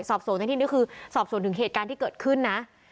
สอบสวนในที่นี่คือสอบสวนถึงเหตุการณ์ที่เกิดขึ้นนะ